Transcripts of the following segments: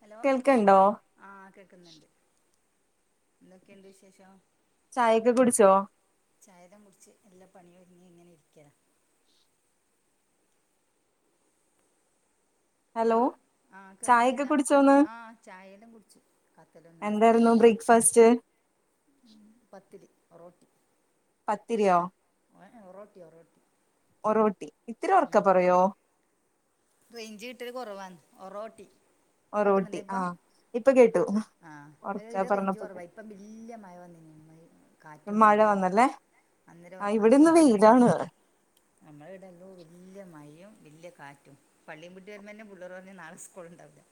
Hello കേൾക്കണ്ടോ ആഹ് കേക്കുന്നുണ്ട് എന്തൊക്കെയുണ്ട് വിശേഷം ചായൊക്കെ കുടിച്ചോ ചായത മുടിച്ച് എല്ലാ പണിയും ഇങ്ങ ഇങ്ങനെ ഇരിക്കത ഹലോ ആഹ് ചായൊക്കെ കേൾക്കുന്നില്ല കുടിച്ചോന്ന് ആഹ് ചായയല്ലാം കുടിച്ചു കാത്തലും നാസ്തയെല്ലാം എന്തായിരുന്നു ഇടക്കി ബ്രേക്ക്ഫാസ്റ്റ് പത്തിരി റോട്ടി പത്തിരിയോ [unintelligible] റോട്ടിയോ റട്ടി ഒറോട്ടി ഇത്തിരി ഒറക്ക പറയോ? റേഞ്ച് കിട്ടല് കൊറവാന്ന് ഒറോട്ടി ഓറോട്ടി കേൾക്കുന്നുണ്ടോ ഇപ്പോ ആഹ് ഇപ്പൊ കേട്ടു ആഹ് ഉറക്കെ ഈടെ റേഞ്ച് പറഞ്ഞപ്പോ കുറവാ കേട്ടു. ഇപ്പം വല്യ മഴ വന്നന് കാറ്റും മഴ മഴയും വന്നല്ലേ അന്നേരം ആ ഇവിടെന്ന് അധികം റേഞ്ച് വെയിലാണ് നമ്മള ഇടെല്ലൂ വല്യയ മഴയും വല്യയ കാറ്റും പള്ളിയും ബ്ട്ട് വരുമ്പന്നെു പൂള്ളേർ പറഞ്ഞ നാളെ സ്കൂള് ഉണ്ടാവുല്ല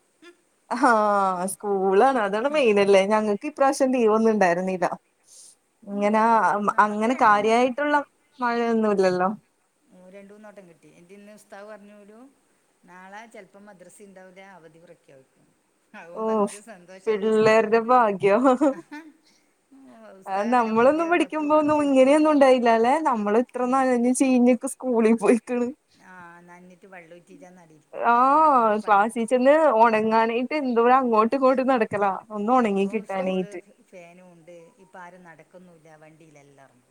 ആഹ് സ്കൂളാണ് അതാണ് മെയിനല്ലേ ഞങ്ങൾക്ക് ഇ പ്രറാശ്യം ലീവൊന്നു ഇണ്ടായിരുന്നില്ല ഇങ്ങനെ നിങ്ങൾക്കാ നമുക്ക് അങ്ങനെ രണ്ട് മൂന്നോട്ടം കാര്യായിട്ടുള്ള മഴയൊന്നുല്ലല്ലോ ഓ രണ്ടുന്നട്ടം കിട്ടി ന്റെ ഇന്ന് ഉസ്താദു പറഞ്ഞുരൂ നാളെ ചിൽപ്പം മദ്രസ ഉണ്ടാവില്ല അവധി പ്രഖ്യാപിക്കും അവൻ ഓഫ്‌ പറഞ്ഞിട്ട് സന്തോഷമായിട്ട് സ്കൂളും പിള്ളേരുടെ പോന്നു ഭാക്യം ആഹാ. ഉം, ആഹ് ഉസ്താവ് അങ്ങനെ വെറുതെ നമ്മളൊന്നും വെറുതെ പഠിക്കുമ്പോ പുള്ളേർ ഒന്നും ചോദിക്കുന്നു ഇങ്ങനെയൊന്നും ഉണ്ടായില്ല അല്ലെ നമ്മൾ ഇത്ര നനഞ് ചീഞ്ഞിക്കെ സ്കൂളി പോയി ആഹ് നനഞ്ഞിട്ട് വെള്ളൂറ്റിച്ച നടരിക്ക ആഹ് അന്നൊരു പണ്യ റ്റ്ന്ന് ഉണങ്ങാനായിട്ട് എന്തോം അങ്ങോട്ട് ഇങ്ങോട്ട് നടക്കല ഒന്ന് ഉണങ്ങി ഇപ്പോൾ സ്കൂള് കിട്ടാനായിട്ട് ഫാനും ഉണ്ട് ഇപ്പൊ ആരും നടക്കന്നുല്ല വണ്ടിയില എല്ലാവും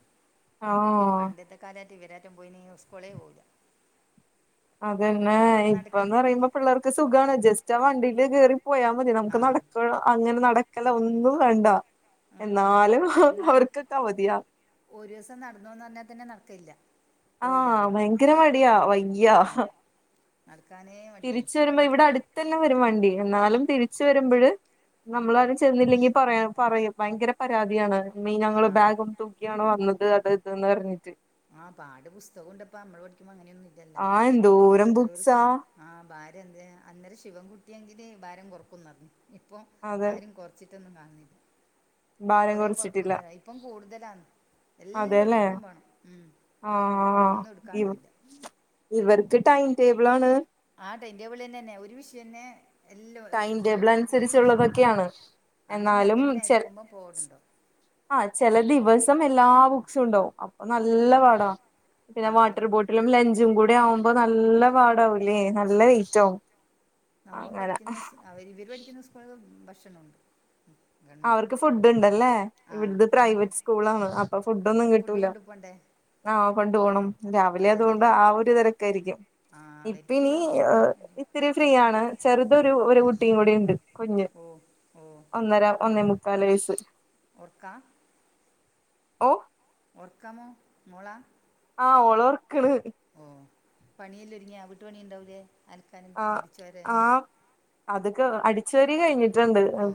ആഹ് പണ്ടത്തെൊക്കെ കാലായിട്ട് വരാറ്റം പോയി ഇനി സ്കളേ പോകില്ല അതന്നെ ഇപ്പം ഇപ്പന്ന് നടക്കുന്നതന്നെ പറയുമ്പോ ഇല്ല പിള്ളേർക്ക് സുഖാണ് ജസ്റ്റ് ആഹ് വണ്ടിൽ കേറി പോയാ മതി നമുക്ക് നട ആ പൊ അങ്ങനെ നടക്കല ഒന്നും വേണ്ട ഉം ഉം എന്നാലും അവർക്കൊക്കെ മതിയാ ഒരുസം നടന്നുന്ന് പറഞ്ഞാൽ തന്നെ നടക്കയില്ല ആഹ് ഭയങ്കര മടിയാ വയ്യ നടക്കാനെ തിരിച് വരുമ്പോ ഇവിടെ അടു തന്നെ വരും വണ്ടി എന്നാലും തിരിച് വരുമ്പഴ് നടക്കുവാ നമ്മലാരും ചെന്നില്ലെങ്കി പറയാം പറയും ഭയങ്കര പരാതിയാണ് മെയ് ഞങ്ങള് ആഹ് ബാഗും തൂക്കിയാണോ വന്നത് അത് ഇതന്ന് പറഞ്ഞിട്ട് ആഹ് പാട് പുസ്തകുണ്ട്പ്പ മ്മൾ പഠിക്കുമ്പോ അങ്ങനെയൊന്നും ഇല്ലല്ല ആ എന്തോരം ബുക്സാ വെവ്ക്കാൻ ആഹ് ഭാരം എന്തെ അന്നേരം ശിവൻകുട്ടിയെങ്കില് ഭാരം കൊറക്കുംന്ന്ർഞ് ഇപ്പൊ അതെ ആരും കൊർ ച്ചിട്ടൊന്നും കാൺഇല്ല ഭാരം കൊറേ കുറച്ചിട്ടില്ല കൊർക്കുന്നറി ഇപ്പം കൂടുതലാന്ന് എല്ലു അതെല്ലേ എടുക്കും വാണം ഉം ആഹ് ഒന്നും ഇവ എടുക്കാണ്ടുല്ല ഇവർക്ക് ടൈം ടേബിളാണ് ആഹ് ടൈം ടേബിള്ന്നെന്നെ ഒരു വിഷയന്നെ എല്ലോ ഒര് ടൈം ഒരു ടേബിൾ ഏഴ് വിഷയമുണ്ട് അനുസരിച്ചുള്ളതൊക്കെയാണ് അങ്ങനെ എന്നാലും അതന്നെ എടുക്കുമ്പൊ പോണ് ണ്ടോ ആഹ് ചെല ദിവസം എല്ലാ ബുക്സുണ്ടാവും നല്ല ആഹ് പാടാ പിന്നെ ആറ് വാട്ടർ ബോട്ടിലും ലഞ്ചും കൂടി ആവുമ്പോ നല്ല പാടാ ല്ലേ നം നല്ല ലേറ്റാവും നമ്മ അങ്ങന പഠിക്കുന്ന സ് അവര് ഇവര് പഠിക്കുന്ന സ്കൂൾൾല് ഭക്ഷണോണ്ട് അവർക്ക് ഫുഡ്ണ്ടല്ലേ ഇവിട്ത് ഒന്നും പ്രൈവറ്റ് സ്കൂളാണ് അപ്പൊ ഫുടൊന്നും ഫുഡ് കിട്ടൂല കൊണ്ടു പോണ്ടേ ആഹ് കൊണ്ടു പോണം രാവിലെ അതുകൊണ്ട് അവർക്ക് ആ ഒരു തെരക്കായിരിക്കും ആഹ് ഇപ്പ അവർക്ക് [unintelligible] ആ ഫുഡ് ഇത്തിരി ഫ്രീ ആണ് ചെറുതൊരു ഒരു കുട്ടിയും കൂടി ഉണ്ട് കുഞ്ഞ് ഓ ഓ ഒന്നര ഒന്നേ മുക്കാല് വയസ്സ് ഒർക്കാ ഓ ഒർക്കാമോ മോളാ ആഹ് ഓളൊർക്ക്ണ് ഓഹ് പണിയെല്ലൊര്ങ്യാ വീട്ട് പണിണ്ടാവൂലേ ആഹ് ആഹ് അതൊക്കെ അടിച്ച്വാരി കഴിഞ്ഞ്ട്ട്ണ്ട് ഓ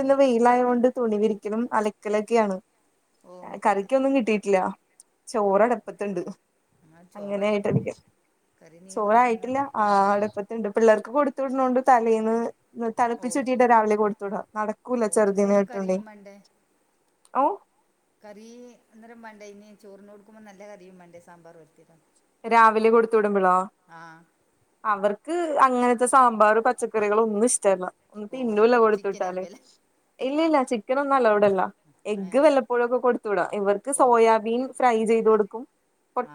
ഓ വെയ് ലായോണ്ട് തുണി വിരിക്കലും അലക്കലൊക്കെയാണ് ഓ മിറ്റത്ത് കറിക്കൊന്നും കിട്ടീട്ടില്ല ഓ ചോറടപ്പത്ത്ണ്ട് ഞങ്ങൾ ചോറായി അങ്ങനായിട്ടിരിക്ക് കറി നീ ചോറായിട്ടില്ല പറഞ്ഞ ആ അട്പ്പത്ത്ണ്ട് പിള്ളേർക്ക് കൊടുത്ത് വിട്ണോണ്ട് തലേന്ന് ഓ തള്പ്പിച്ചൂറ്റിറ്റാ രാവിലെ കൊടുത്തൂടാ നടക്കൂല ഓ അന്നേരം ഇനി ചെർതിനെട്ടൊണ്ട് കറിയും [unintelligible] കറീ അന്നേരം മാണ്ടയ്നി ചോറിന് കൊടുക്കുമ്മൊ നല്ല കറിയും മാണ്ടേ സാമ്പാറ് പോൽത്തെല്ലാം രാവിലെ കൊടുത്ത് വിടുമ്പളോ അവർക്ക് അങ്ങനത്തെ സാമ്പാറ് പച്ചക്കറികളൊന്നുഷ്ടല്ലാ ഓ തിന്നൂല ചിക്കൻ കൊടുത്തുവിട്ടാല് ആയിരിക്കുമല്ലേ ഇല്ലല്ല ചിക്കൻ ഒന്നും അലൗടല്ല ഏ എഗ് വല്ല പ്പോഴൊക്കെ കൊടുത്ത് വിടാ ഇവർക്ക് ഓ സോയാബീൻ ഫ്രൈ ചെയ്ത് കൊട്ക്കും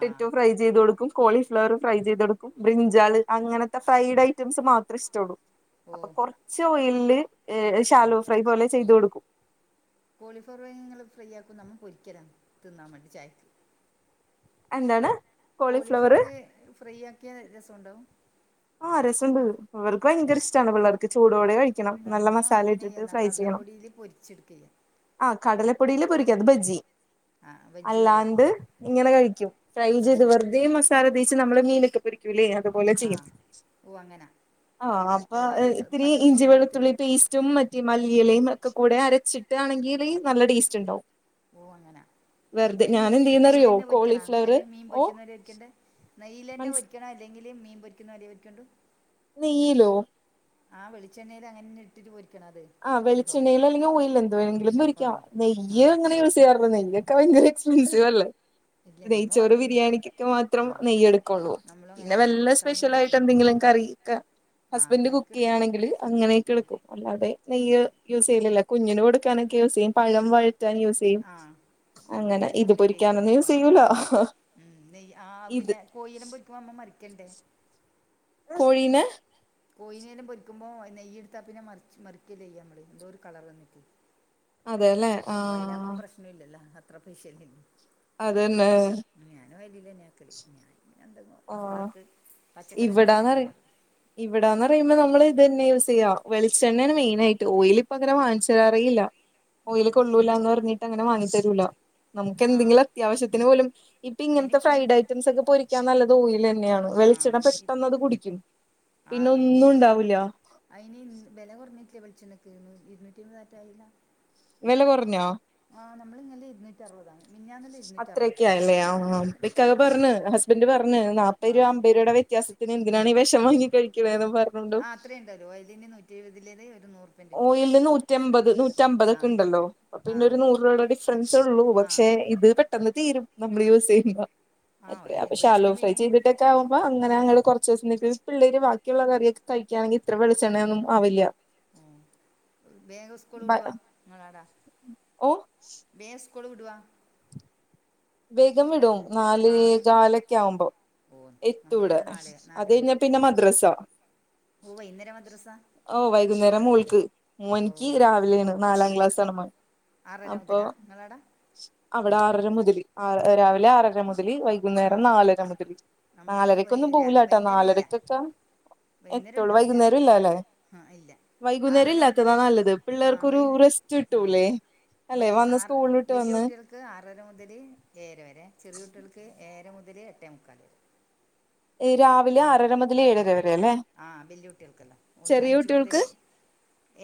ആ ഫ്രൈ ചെയ്ത് കൊടുക്കും കോളീഫ്ലവറ് ഫ്രൈ ചെയ്ത് കൊടുക്കും ബ്രിഞ്ചാൽ അങ്ങനത്തെ ഫ്രൈഡ് ഐറ്റംസ് മാത്രേ ഇഷ്ടള്ളൂ ഓ അപ്പൊ കൊർച്ച് ഓയിൽല്ല് ഈഹ് ഉം. ശാലോ ഫ്രൈ പോലെ ചെയ്ത് കൊടുക്കും കോളിഫ്‌ളവർ വേങ്ങ്യ ങ്ങള് ഫ്രൈ ആക്കും നമ്മ പൊരിക്കലാ തിന്നാൻ മാണ്ടി ചായക്ക് എന്താണ് കോളിഫ്ലവർ ഫ്രൈ ആക്കിയാ രസോണ്ടാവും ആഹ് രസണ്ട് ഇവർക്ക് വയങ്കര ഇഷ്ട്ടാണ് പിള്ളാർക്ക് ചൂടോടെ കഴി ക്കണം നല്ല നമ്മ മസാല ഇങ്ങനെ ഇട്ടിട്ട് ചെയ്യുന്ന ഫ്രൈ ചെയ്യണം കടലപ്പൊടിയിൽ പൊരിച്ചെടുക്കുക ആഹ് കടലപ്പൊടീല് ചുള്ളു പൊരിക്കത് ബജി ആ വെജ് അല്ലാണ്ട് പോലെയാക്കിയ ഇങ്ങനെ കഴിക്കും ഫ്രൈ ഓ ചെയ്ത് വെറു ഇതേ മസാല തേച്ച് നമ്മള് മീനൊക്കെ പൊരിക്കൂല്ലേ അതുപോലെ ആ ചെയ്യും ഓ അങ്ങനെ ആഹ് അപ്പ ഓ ആദ്യം ഇത്തിരി ഇഞ്ചി വെളുത്തുള്ളി പച്ചൂടുള്ളത്തിൽ പേസ് ചുമ്മറ്റി മല്ലിയെലയും ഒക്കെ കൂടെ അരച്ചിട്ടാണെങ്കില് നല്ല ടേസ്റ്റ്ണ്ടാവും ഓഹ് അങ്ങന എന്തെങ്കിലും ഇങ്ങനെ മുക്കിറ്റ് ചെയ്യുന്നറിയോ നെയ്യ്ലെന്നെ പൊരിക്കണാ കോളിഫ്ലവർ അല്ലെ മീൻ ഓ പൊരിക്ക്ന്നൊലെയാ പൊരിക്കണ്ടേ നെയ്യിലെന്നെ മൻസ് പൊരിക്കണോ അല്ലെങ്കില് മീൻ പൊരിക്ക്ന്നെ പോലെപൊരിക്കണ്ടൂ നെയ്യിലോ ആഹ് വെളിച്ചെണ്ണേലങ്ങനെന്നെ ഇട്ടിട്ട് പൊരിക്കണ അത് ആഹ് കോളിഫ്ലവർ വെളിച്ചണ്ണയില് അല്ലെങ്കി ഓയിൽല് എന്ത്‌ വേണെങ്കിലും ഓ പൊരിക്കാ ആ നെയ്യ് അങ്ങനെ യൂസ് ചെയ്യാറൊന്നുല്ല നെയ്യ് ക്ക ഭയങ്കര എക്സ്പൻസീവല്ലേ ഇല്ലേ നമ്മ നെയ്ച്ചോറ് അതിലെന്നെ ബിരിയാണിക്കൊക്കെ മാത്രം ആ നെയ്യെടൊക്കൊള്ളൂ നമ്മളും പിന്നെ അങ്ങനെ കറി വല്ല വെക്കാനും സ്പെഷ്യലായിട്ട് നെയ്ച്ചോറും എന്തെങ്കിലും കറി ക്ക ആ ഹസ്ബൻ് കറിക്ക് കുക്ക് എടുക്കും ചെയ്യാണെങ്കില് അങ്ങനെക്കെ ഓ എടുക്കും അല്ലാതെ നെയ്യ് ഞാ- യൂസെയ്യലില്ല കുഞ്ഞന് കൊടുക്കാനൊക്കെ യൂസ് ചെയ്യും പഴം വയറ്റാൻ യൂസ് ചെയ്യും ആഹ് ഞമ്മ നെയ്യ് ഇത് അങ്ങനെ ഉപയോഗിക്കില്ല പൊരിക്കാനൊന്നും യൂസ് ചെയ്യൂല ഓയലെന്നെയൊ മ് നെയ്യ് ആഹ് ഇത് പിന്നെ കോഴീനെ പൊരിക്കുമ്പം അമ്മ മറിക്ക്യെണ്ടേ കോഴീനെ കോയീനെല്ലോം പൊരിക്കുമ്പോ നെയെട്താ പിന്നെ മറിച്ച് മറിക്കല്ലേ ചെയ്യാ അമ്മള് എന്തോര് കളർ വന്നിട്ട് അതെല്ലേ ഓയലാവുമ്പം ആഹ് പ്രശ്നൊല്ലല്ലാ അത്ര പൈശല്ലെ ള്ളൂ അതെന്നെ ഞാൻ ഓയിലിലെന്യ ആക്കല് ഞാൻങ്ങനെ എന്തെങ്ങും ആഹ് പുള്ളോർക്ക് പച്ചക്കറിയൊന്നും ഇഷ്ടല്ല ഓൽ ഇവിടാന്നറയുമ്പോ നമ്മൾ ഇതന്നെ യൂസ് ചെയ്യ വെളിച്ചെണ്ണേണ് മെയിനായിട്ട് ഓയിൽ ഇപ്പങ്ങനെ വാങ്ങിച്ചെരാറേയില്ല ഓ ഓയില് കൊള്ളൂലാന്ന് പറഞ്ഞിട്ട് അങ്ങനെ വാങ്ങിച്ചെരൂല നമുക്ക് ആ എന്തെങ്കിലും അത്യാവശ്യത്തിന് പോലും ഇപ്പം ഇങ്ങൻത്തെ അതിനിപ്പം ഫ്രൈഡ് ഐറ്റംസ് ഒക്കെ പൊരിക്കാൻ നല്ലത് ഓയിലെന്നാണ് ആ വെളിച്ചെണ്ണ ഇ- പെട്ടെന്ന് അത് കുടിക്കും പിന്നെ ഒന്നുണ്ടാവൂല്ല അയിന് വെല കുറഞ്ഞിറ്റ്ലെ വെളിച്ചെണ്ണക്ക് നൂ ഇര്ന്നൂറ്റയ്മ്പത് ആറ്റയ്ല്ലെ വെല കൊറഞ്ഞോ ആഹ് ഞമ്മൾ ഇന്നലെ ഇര്ന്നൂ അത്രൊക്കെയായല്ലേ ആഹ് ഹാ ഇക്കാക്ക ആ പറഞ്ഞ് ഹസ്ബൻന്റ് പറഞ്ഞ് നാ ആ പ്പരൂപ അമ്പരൂപേടെ വ്യത്യാസത്തിന് എന്തിനാണീ വെഷം വാങ്ങി കഴിക്കണെന്നും പറഞ്ഞോണ്ടും പൈസ ഉണ്ടല്ലോ. നൂറ്റി എഴുപതിലേ ഒരു നൂ- ഓയിൽ നൂറ്റിയമ്പത് ആ നൂറ്റിമ്പതൊക്കെ ഉണ്ടല്ലോ. അപ്പോ ആ പിന്നെ ഒരു നൂറ് രൂപയുടെ ഡിഫറൻസ് ഉള്ളൂ ആ പക്ഷെ ഇത് പെട്ടെന്ന് തീരും നമ്മൾ യൂസ് ചെയ്യുമ്പോ. ആ അത്രയാ പ ഓയിൽ ശാലോ വെളിച്ചെണ്ണ ഫ്രൈ വേഗം കുടിക്കും ചെയ്തിട്ടൊക്കെ ആകും അപ്പോ അങ്ങനെ ഞങ്ങള് കുറച്ച് ദിവസം നിന്ന് പിള്ളേര് ബാക്കിയുള്ള കറിയൊക്കെ കഴിക്കുകണെങ്കിൽ ഇത്ര വെളിച്ചെണ്ണ ഒന്നും ആവില്ല. ഉം വേഗം സ്കൂൾ വിടുവാ നിങ്ങളടെ അവിടെ. ഓ. വേഗം സ്കൂൾ വിടുവാ. വേഗം വിടും നാല് ആ കാലൊക്കെ ആവുമ്പോ. ഓ എത്തു ഇവിടെ നമ്മളിവിടെ നാല് നാല് അത് കഴിഞ്ഞാ മണിക്ക് പിന്നെ മദ്രസ. ഓ വൈകുന്നേരം മദ്രസ. ഓ വൈകുന്നേരം മോൾക്ക് ഓ മോനക്ക് രാവിലെയാണ്. നാലാം ക്ലാസ് ആണ് മ- ആറാര മുതലാ നിങ്ങളയ അവിടെ. അവിടെ ആറര മുതൽ രാവിലെ ആറര മുതൽ വൈകി- വൈകുന്നേരം നമുക്ക് നാലര മുതല് നമുക്ക് വൈ നാലരക്കൊന്നും രാ- പോവില്ലട്ടോ വൈകുന്നേരം ഇല്ല നാലരക്കൊക്കെ വൈകുന്നേരം എത്തുള്ളൂ ഉണ്ടാവില്ല വൈകുന്നേരം ഇല്ല അല്ലേ. ആ ഇല്ല വൈകുന്നേരം ആറര മുതൽ ഇല്ലാത്തതാ നല്ലത് ആ പിള്ളേർക്കൊരു വൈകുന്ന റെസ്റ്റ് ആ കിട്ടൂല്ലേ. അല്ലെ വന്ന് സ്കൂൾ വീട്ട് വന്ന് ക്ക് ആറര മുതൽ ഏഴര വരെ ചെറിയ കുട്ടികൾക്ക് ഏഴര മുതൽ എട്ടേ മുക്കാൽ വരെ. ഇരാവിലെ ആറര മുതൽ ഏഴര വരെ അല്ലേ. ആഹ് വലിയകുട്ടികൾക്കല്ലോ ഒന്ന് അഞ്ച് മുതൽ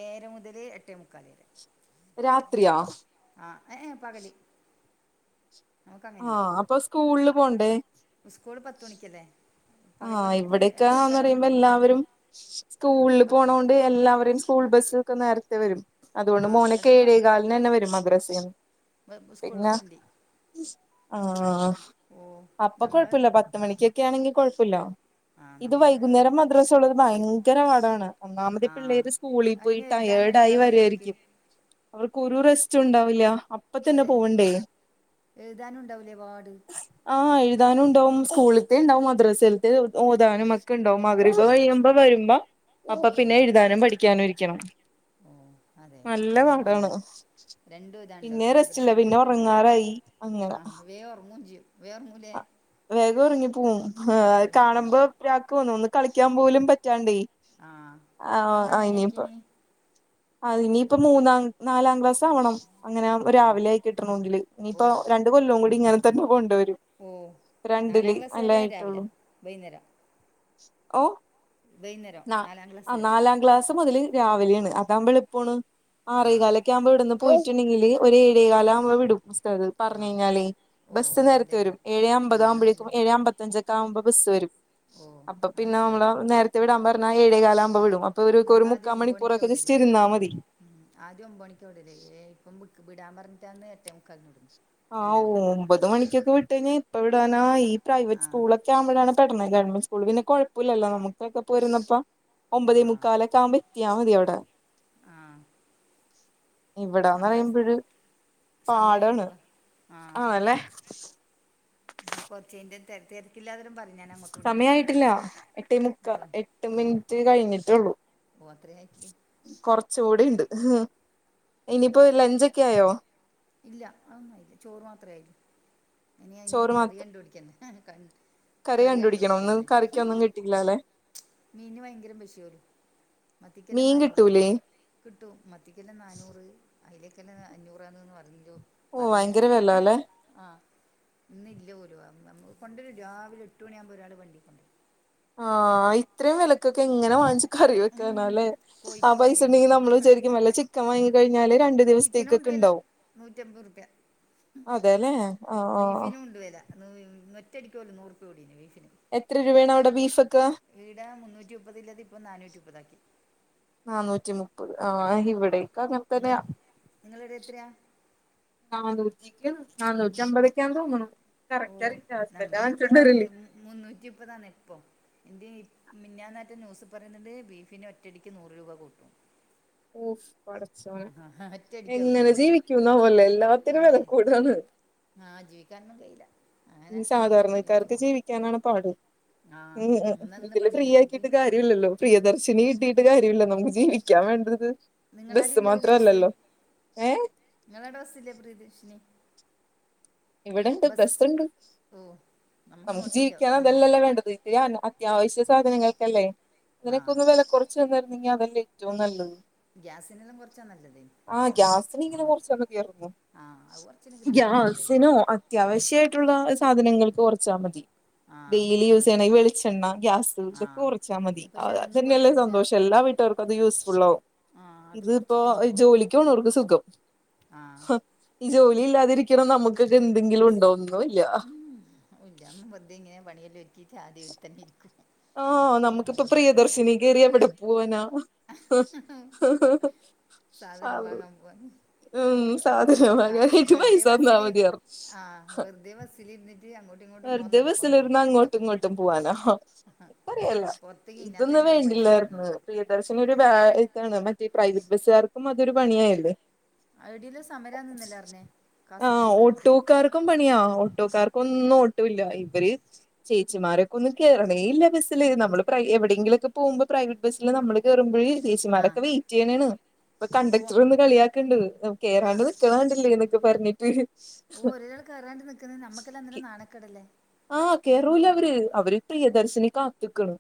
ഏഴര മുതൽ എട്ടേ മുക്കാൽ വരെ. രാത്രിയാ. ആഹ് ഏഹ് ഏഹ് പകല് ആഹ് അപ്പൊ സ്കൂളില് പോണ്ടേ? സ്കൂൾ പത്ത് മണിക്ക് അല്ലേ. ആഹ് ഇവിടെയൊക്കാന്ന് പറയുമ്പോ വിടും എല്ലാവരും- സ്കൂളിൽ പോണ പത്ത് കൊണ്ട് എല്ലാവരേും സ്കൂൾ ബസ്സക്കെ നേരത്തെ വരും. അതുകൊണ്ട് ആ മോന് ഒക്കെ അത് എഴകാലന് തന്നെ വരും മദ്രസന് പത്ത് സ്കൂൾ പിന്നെ- വണ്ടി ആഹ് ഓ അപ്പൊ നമ്മൾ കൊഴപ്പില്ല പത്ത് മണിക്കൊക്കെ ആണെങ്കിൽ കൊഴ- ല്ലോ ആ ഇത് നമ്മളെ വൈകുന്നേരം മദ്രാസ ഉള്ളത് ഭയങ്കര പാടാണ്. ഒന്നാമത് ആ പിള്ളേര് സ്കൂളിൽ പോയി അതിന് എഴുതാനേ ടയേർഡ് ആയി ഉണ്ടാവില്ലേ അവർക്ക് വരായിരിക്കും. അവർക്ക് ഒരു റെസ്റ്റും ഉണ്ടാവില്ല. അപ്പൊ തന്നെ അതെ പോവണ്ടേ. എഴുതാനും ഉണ്ടാവില്ലേ പാട് ആഹ് എഴുതാനും ഉണ്ടാവും സ്കൂളിലത്ത് ഉണ്ടാവും മദ്രസയിലത്തെ ഓതാനും. ഉണ്ടാവും മദ്രസ അതെ കഴിയുമ്പോ വരുമ്പോ അപ്പൊ ഓ പിന്നെ എഴുതാനും പഠിക്കാനും ഇരിക്കണം. ഓ അതെ നല്ല ഇവനും പാടാണ് അങ്ങനെ രണ്ടും പിന്നെ ഇതാണ്ടാവും റെസ്റ്റില്ല മദ്രസയിലും പിന്നെ ഉണ്ടാവില്ലോ ഉറങ്ങാറായി ഉം, അങ്ങന ആ വേഗം ഉറങ്ങും ചെയ്യും. വേഗം ഉറങ്ങൂലേ അഹ് വേഗം ഉറങ്ങി പോവും അതെ ആഹ് ഉറങ്ങിപ്പോകും കാണുമ്പോ- രാക്ക് വന്നു ഒന്ന് കളിക്കാൻ പോലും പറ്റാണ്ടേ ആ അന്ന് ആഹ് ഇനിപ്പ അങ്ങനെയാക്കിനി ആഹ് ഇനിയിപ്പോ മൂന്നാം നാലാം ക്ലാസ് ആവണം അങ്ങനെ ഓ രാവിലെ ആയി കിട്ടണമെങ്കില് ഓ ഇനിയിപ്പോ ര- രണ്ട് കൊല്ലം കൂടി ഇങ്ങനെ തന്നെ പോണ്ടവരും. ഓ നാലാം ക്ലാസ് വരെ രാവിലെ വൈകുന്നേരം- ഓ. വൈന്നേരം. ആഹ് നാലാം ക്ലാസ്സ് മുതല് രാവിലെയാണ് അതാകുമ്പോള ഇപ്പോണ് ആറ് ആ കാലൊക്കെ ആവുമ്പോ ഇവിടുന്ന്- പോയിട്ടുണ്ടെങ്കില് ഒരു എഴകാലാ കുമ്പോ വിടും ഉസ്താദ് പറഞ്ഞു ആ കഴിഞ്ഞാല് ഓ ബസ് എന്നാ നേരത്ത് നല്ലതല്ലേ വരും ഏഴേ ആ അമ്പത എന്നാ ആവുമ്പോഴേക്കും നല്ലേ ഏഴമ്പ പത്തഞ്ചൊക്കെ ആവുമ്പോ ബസ് വരും ഓ അപ്പൊ അത് പിന്നെ നല്ലതാ നമ്മള് നേരത്തെ വിടാൻ പറഞ്ഞാ ഏഴേകാലാവുമ്പോ വിടും ഇപ്പൊ ഒരു ഒരു നമ്മളാദ്യം മുക്കാ ഒമ്പത് മണിക്കാണ് മണിക്കൂറോക്കെ വിടല് ജസ്റ്റ് ഇരുന്നാൽ ആയി മതി ഉം ആദ്യം ഒമ്പത് മണിക്കാ വിടല്. ഏഐ ഇപ്പം വിടാൻ പറഞ്ഞിട്ടാണ് എട്ടേ മുക്കാൽന്‌ വിടും. ആഹ് ഒമ്പത് മണിക്കൊക്കെ വിട്ട് കഴിഞ്ഞാ എപ്പോ വിടാനാ ഈ പ്രൈവറ്റ് ആ സ്കൂളൊക് ക്കെ ആവുമ്പോഴാണ് പെടണെ ഗവൺമെന്റ് സ്കൂൾ പിന്നെ കുഴപ്പല്ലല്ലോ നമുക്കെ പോരുന്നപ്പോ ആ ഒമ്പതേ മുക്കാലൊക്കെയാവുമ്പോ എത്തിയാ മതിയവിടെ ആഹ് ഇവിടാന്ന് പറയുമ്പോഴ്‌ പാടാണ് സമയമായിരിക്കും ആണല്ലേ ഞാ കൊർച്ചഴിഞ്ഞിട്ട് തെര് തെരക്കില്ലാതേരം പറയ് സമയായിട്ടില്ല എട്ടേ മുക്ക പക്ഷേ എട്ട് മിനിറ്റ് കഴിഞ്ഞിട്ടുള്ളൂ ഓഹ് അത്രേ ആയിട്ടുള്ളൂ കൊറച്ച് കൂടിയുണ്ട് ഇല്ല അതൊന്നും ആയില്ല ചോറ് മാത്ര ആയിറ്റുള്ളൂ ഇനി അതിന് ചോറ് കറി മാത്ര കണ്ട് പിടിക്കണ്ടെ കൺ കറി കണ്ടുപിടിക്കണംന്നു കറിക്ക് ഒന്നും കിട്ടിയില്ല അല്ലേ മീന് ഭയങ്കര പൈഷോലൂ മത്തിക്കല്ല മീൻ നാനൂറ്‌ പോലും കിട്ടൂലേ കിട്ടു, മത്തിക്കെല്ലാം നാനൂറ് അയിലേക്കെല്ലാം അഞ്ഞൂറാെന്ന്ന്ന് പറഞ്ഞല്ലോ ഓഹ് പറയുന്ന ഭയങ്കര കേട്ട് വെല അല്ലെ ഏഹ് ആഹ് ഇന്നില്ല പോലും നമ്മ കൊണ്ടുവരും രാവിലെ എട്ട് മണിയ ആകുമ്പോ ഒരാൾ വണ്ടി കൊണ്ടുവരും ആഹ് ഇത്രയും വിലക്കൊക്കെ എങ്ങനെ വാങ്ങിച്ച് കറി വെക്കാനാ ഉം, ലേആ കോഴിക്കും പൈസ വില ഉണ്ടെങ്കിൽ തന്നെ നമ്മള് വിചാരിക്കും വല്ല ചിക്കൻ വാങ്ങി കഴിഞ്ഞാല് രണ്ട് ചിക്കനും ഉണ്ടുവില നൂറ്റിയമ്പത്റുപ്യ അതെല്ലേ ആഹ് ആഹ് ബീഫിനും ഉണ്ട് വല ഒറ്റടിക്ക പോലു നൂറുപ്യ കൂടീന് ബീഫിന് എത്ര രൂപയാണ് അവിടെ ബീഫ് ഒക്കെ ഈടെ മുന്നൂറ്റി മുപ്പതുള്ളത് ഇപ്പം നാനൂറ്റി മുപ്പതാക്കി നന്നൂറ്റി മുപ്പത് ആഹ് ഇവിടൊക്കെ അങ്ങനെ നിങ്ങൾ തന്നെയാ നിങ്ങളുടെ എത്രയാ നാനൂറ്റിക്കാ നാനൂറ്റി അമ്പതൊക്കെയാ തോന്നുണു ഓ കറക്റ്റ് അറിയില്ല ഹസ്ബൻഡ് ആ നമുക്ക് ഇപ്പാന്ന് വങ്ങിചോണ്ടുവെരല് മുന്നൂറ്റി മുപ്പതാണ് ഇപ്പൊ ഇന്ത്യേ മിഞ്ഞാനാറ്റം ന്യൂസ് പറയുന്നുണ്ട് ബീഫിന് ഒറ്റടിക്ക് നൂറു രൂപ കൂട്ടും ഉഫ് പടച്ചോനെ ഒറ്റയടിക്കാ എങ്ങനെ കൂട്ടീന് അവര് ജീവിക്കൂന്നാവോലെ എല്ലാത്തിനും വില കൂടാണ് ആഹ് ജീവിക്കാനൊന്നും കയ്യില്ല സാധാരണക്കാർക്ക് ജീവിക്കാനാണ് പാട് ആ ഉം അങ്ങനെ ഉം നിന്ന് ഇതില് ഫ്രീ പണിയെടുത്തിട്ട് ആക്കിട്ട് കാര്യമില്ലല്ലോ പ്രിയദർശിനി കിട്ടി അതു കാര്യല്ല നമുക്ക് ജീവിക്കാൻ വേണ്ടത് നിങ്ങളാടെ ബസ് മാത്രല്ലല്ലോ ഏഹ് ഇങ്ങളട ബസ്സില്ലെ പ്രിയദർശിനി ഇവിടെണ്ട് ബസ്ണ്ട് ഓ നമ്മ നമുക്ക് ഇങ്ങോട്ടില്ല ജീവിക്കാൻ ഒന്നേ ഉള്ളൂ അതല്ലല്ലോ വേണ്ടത് ഇത്തിരി അത്യാവശ്യ സാധനങ്ങൾക്കല്ലേ ഇതിനൊക്കെ ആഹ് ഒന്ന് വില കുറച്ച് തന്നായിരുന്നെങ്കിൽ അതല്ലേ ഏറ്റവും നല്ലത് ഗ്യാസിനെല്ലാം കുറച്ചാ നല്ലത് ആഹ് ഗ്യാസിന് ഇങ്ങനെ ആഹ് കുറച്ചാ മതിയായിരുന്നു ആഹ്‌ അത് കൊറച്ചിന് കിട്ടീന ഗ്യാസിനോ അത്യാവശ്യായിട്ടുള്ള സാധനങ്ങൾക്കും കുറച്ചാൽ മതി ആഹ് ഡെയിലി ഇല്ല യൂസ് ചെയ്യണ വെളിച്ചെണ്ണ ഗ്യാസ് ഇതൊക്കെ കുറച്ചാൽ മതി ആഹ് പക്ഷെ അതൊന്നും അതന്നെയല്ലേ കുറച്ചിട്ടില്ല സന്തോഷം എല്ലാ വീ ട്ടർക്കത് യൂസ്ഫുൾ ആവും ആഹ് അത് ഇത് ഇപ്പോ ജോലിക്ക് പോണവർക്ക് സുഖം ആഹ്‌ ഈ ജോലി ഇല്ലാതിരിക്കണ നമുക്കൊക്കെ എന്തെങ്കിലും ഉണ്ടോ ഒന്നുല്ല മോന്ദ്യാമം വറുതെ ഇങ്ങനെ പണിയെല്ലാം ഒരുക്കീട്ട് ആദ്യേ ഈട്ത്തന്നെ ഇരിക്കും ആഹ്‌ നമുക്കിപ്പൊ പ്രിയദർശിനി കയറി എവിടെ പോവാനാ [unintelligible] സാധനം വാങ്ങാൻ പോവാൻ ഉം സാധനം ആ, വാങ്ങാനായിട്ട് വെറുതെ പൈസ തന്നാ ബസ്സിൽ മതിയാരരു ന്നു ആഹ് വെറുതെ ബസ്സിലിരുന്നിട്ട് അങ്ങോട്ട് വെർതെ ബസ്സിലിരുന്നു അങ്ങോട്ടും ങ്ങോട്ടും പോകാനാ അറിയല്ല പുറത്തേക്ക് ഇതിനകത്ത് ഇതൊന്നും തന്നെ ഒരു പൈസ വേണ്ടില്ലായിരുന്ന് തരുന്നറിയും പ്രിയ ദർശിനി ഒരു ബാ ണ് മറ്റേ പ്രൈവറ്റ് ബസ്സുകാർക്കും അതൊരു പണിയായല്ലേ അടില്ല സമര നിന്നില്ലാറഞ്ഞേ കാസർകോട് അങ്ങത്തന് ക്കും പണിയാ ഓട്ടോക്കാർക്കൊന്നും ഓട്ടുവില്ല ഇവര് ചേച്ചിമാരൊക്കൊന്ന് കേറണേ ഇല്ല ബസ്സില് നമ്മള് പ്രൈ എവിടെങ്കിലൊക്കെ പോകുമ്പോ പ്രൈവറ്റ് ബസ്സില് നമ്മള് കേറുമ്പഴേ ആഹ് ചേച്ചിമാരൊക്കെ വെയിറ്റ് ചെയ്യ്ണേണ് അപ്പ ഓ കണ്ടക്ടർ ഇന്ന് കളിയാക്ക്ണ്ട് കേറാണ്ട് ആഹ് നി ക്കണാണ്ടില്ലേ ന്നൊക്കെ പർഞ്ഞിട്ട് ഓ ഒരാൾ കറാണ്ട് നിൽക്കന്ന് കണ്ട നമ്മക്കല്ലാം അന്നരം നാണക്കടല്ലേ ആഹ് കേരൂല്ല അവര് അവര് പ്രിയദർശിനി കാത്ത്ക്കണ്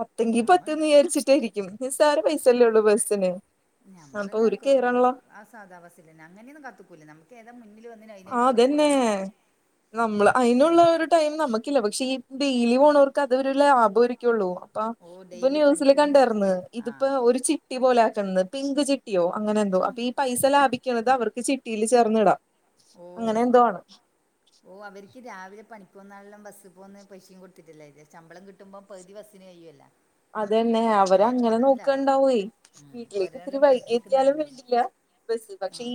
പത്തെങ്കി നമ്മൾ പത്ത്ന്ന് വിചാരിച്ചിട്ടായിരിക്കും നിസ്സാര പൈസല്ലേ ഉള്ളൂ ബസ്സിന്‌ നഞമ്മളെല്ലാ ആ സാധാ ബസ്സിലന്നെ അങ്ങനെയൊന്നും കാത്ത്ക്കൂല നമ്മ ഏതാ മുന്നില് വന്നന് അയിനങ്‌ ആ അതന്നെ കേറിക്കോളാംന്നല്ലാണ്ട് നമ്മള് അയിനുള്ള ഒരു ടൈം നമുക്കില്ല പക്ഷെ ഈ ഡെയിലി പോണർക്ക് അതൊരു ലാഭം ആരിക്കുള്ളൂ അപ്പ ഓ ഇപ്പൊ ഡെയിലി ന്യൂസില് പണിക്ക് പോന്നവര് കണ്ടന്ന് ഇതിപ്പോ ആഹ് ഒരു ച ചിട്ടി പോലാക്കന്ന് പിങ്ക് ചിട്ട്യോ അങ്ങനെ എന്തോ അപ്പൊ ഈ പൈസ ലാഭിക്ക്ണത് അവർക്ക് ചിട്ടിയിൽ ചേർന്നിടാ ഓഹ് ഓ അവർക്ക് രാവിലെ പണി പോകുന്നല്ലാം ബസ്സിപോകന്ന് പൈശേം കൊടുത്തിട്ടില്ല ശമ്പളം കിട്ടുമ്പോ പ്പതി വസിന് കയ്യുവല്ലേ അതന്നെ അവരങ്ങനെ നോക്കണ്ടാവൊയ് വീട്ടിലേക്ക് ഇത്തിരി ഓരോലും വൈകി എത്തിയാലും പണിക്ക്ക്ക്ന്നാളുണ്ടാവില്ലേ വേണ്ടില്ല ബസ് പക്ഷെ ഇ ആഹ്